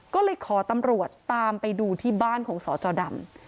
ก็เลยขอตำรวจตามไปดูที่บ้านของสจดำ